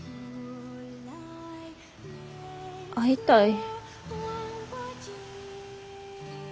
会いたい。